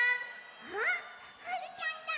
あはるちゃんだ！